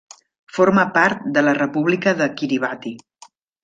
Forma part de la república de Kiribati.